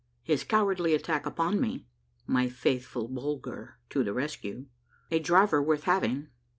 — HIS COWARDLY ATTACK UPON ME. — MY FAITH FUL BULGER TO THE RESCUE. — A DRIVER WORTH HAVING.